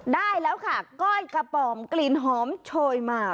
ได้แล้วค่ะก้อยกระป๋อมกลิ่นหอมโชยมา